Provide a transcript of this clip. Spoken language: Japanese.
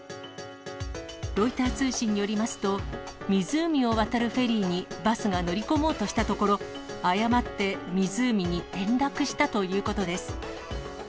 ロイター通信によりますと、湖を渡るフェリーにバスが乗り込もうとしたところ、誤って湖に転落したということです。